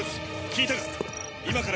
聞いたか？